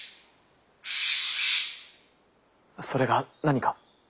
それが何か？